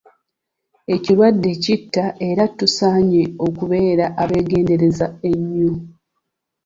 Ekirwadde kitta era tusaanye okubeera abeegendereza ennyo.